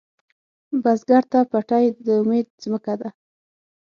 بزګر ته پټی د امید ځمکه ده